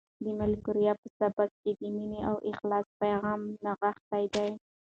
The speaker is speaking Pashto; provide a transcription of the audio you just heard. د ملکیار په سبک کې د مینې او اخلاص پیغام نغښتی دی.